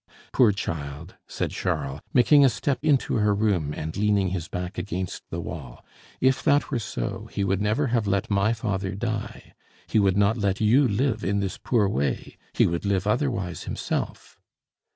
"Poor child!" said Charles, making a step into her room and leaning his back against the wall, "if that were so, he would never have let my father die; he would not let you live in this poor way; he would live otherwise himself."